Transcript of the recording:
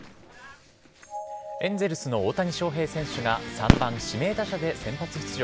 エンゼルスの大谷翔平選手が３番・指名打者で先発出場。